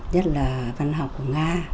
nhất là văn học của nga